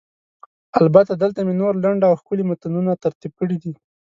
البته، دلته مې نور لنډ او ښکلي متنونه ترتیب کړي دي: